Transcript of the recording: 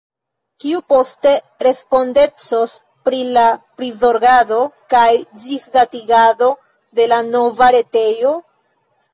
Kiu poste respondecos pri la prizorgado kaj ĝisdatigado de la nova retejo?